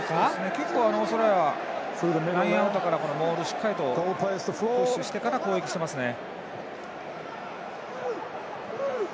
結構、オーストラリアはラインアウトからしっかりとプッシュしてから攻撃していますね。